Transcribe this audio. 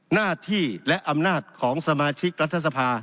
หน้าที่และอำนาจของสมาชิกรัฐสภา